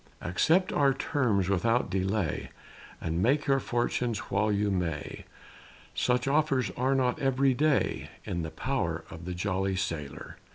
Accept our terms without delay, And make your fortunes while you may, Such offers are not every day In the power of the jolly sailor.